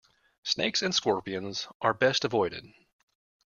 Snakes and scorpions are best avoided.